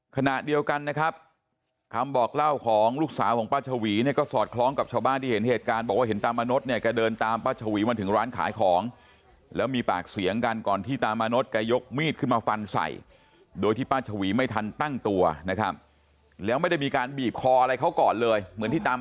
ขณะเดียวกันนะครับคำบอกเล่าของลูกสาวของป้าชวีเนี่ยก็สอดคล้องกับชาวบ้านที่เห็นเหตุการณ์บอกว่าเห็นตามานดเนี่ยแกเดินตามป้าชวีมาถึงร้านขายของแล้วมีปากเสียงกันก่อนที่ตามานดแกยกมีดขึ้นมาฟันใส่โดยที่ป้าชวีไม่ทันตั้งตัวนะครับแล้วไม่ได้มีการบีบคออะไรเขาก่อนเลยเหมือนที่ตาม